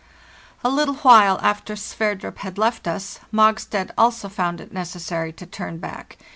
A little while after Sverdrup had left us, Mogstad also found it necessary to turn back.